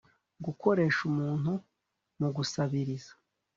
gukoresha umuntu mu gusabiriza